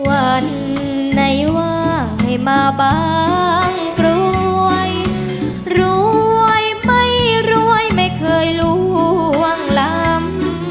วันไหนว่างให้มาบางกรวยรวยไม่รวยไม่เคยล่วงลำ